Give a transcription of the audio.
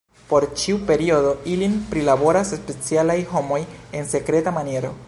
Por ĉiu periodo ilin prilaboras specialaj homoj en sekreta maniero.